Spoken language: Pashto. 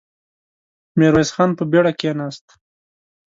ميرويس خان په بېړه کېناست.